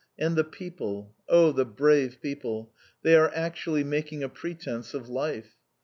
And the people, oh, the brave people. They are actually making a pretence of life.